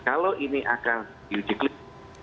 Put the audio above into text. kalau ini akan diuji klinik